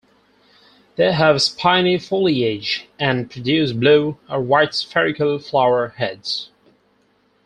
They have spiny foliage and produce blue or white spherical flower heads.